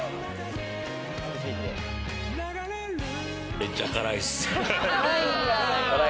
めっちゃ辛いっす。